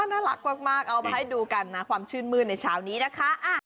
น่ารักมากเอามาให้ดูกันนะความชื่นมืดในเช้านี้นะคะ